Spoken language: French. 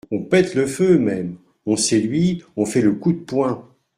On pète le feu, même. On séduit, on fait le coup de poing